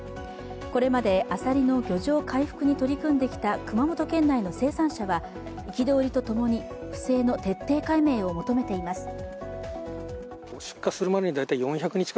これまであさりの漁場回復に取り組んできた熊本県内の生産者は憤りとともに不正の徹底解明を求めています。